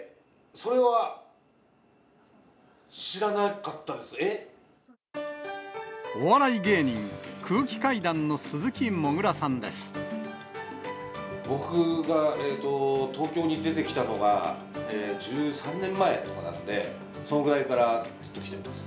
それは知らなかったでお笑い芸人、僕が東京に出てきたのが、１３年前とかなんで、そのぐらいからずっと来てます。